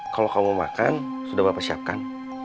kalau kamu makan sudah bapak siapkan